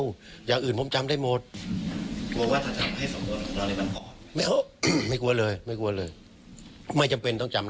ตรงจุดไหนของตลาด